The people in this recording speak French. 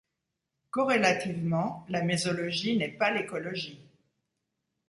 Corrélativement, la mésologie n’est pas l’écologie.